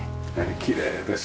きれいです。